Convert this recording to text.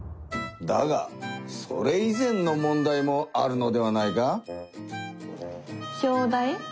だがそれい前の問題もあるのではないか？